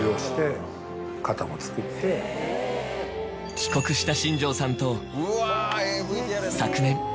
帰国した新庄さんと。